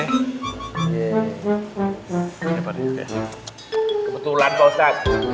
kebetulan kok ustad